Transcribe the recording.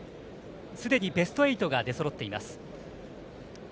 すでにベスト８が出そろっています。